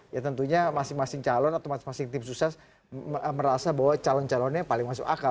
ya tentunya masing masing calon atau masing masing tim sukses merasa bahwa calon calonnya paling masuk akal